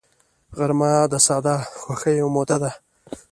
غرمه د ساده خوښیو موده ده